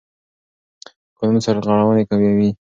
قانون سرغړونې کموي.